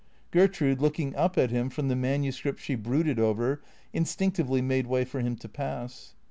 Gertrude, looking up at him from the manuscript she brooded over, instinctively made way for him to pass.